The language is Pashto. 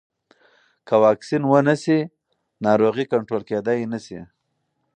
که واکسین ونه شي، ناروغي کنټرول کېدای نه شي.